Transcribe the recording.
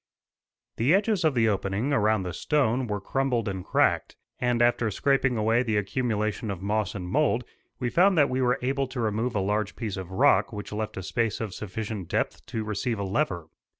* The edges of the opening, around the stone, were crumbled and cracked, and after scraping away the accumulation of moss and mold we found that we were able to remove a large piece of rock which left a space of sufficient depth to receive a lever.